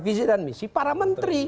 visi dan misi para menteri